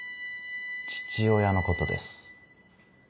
父親のことです。